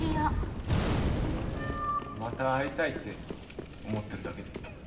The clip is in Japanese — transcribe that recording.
また会いたいって思ってるだけで。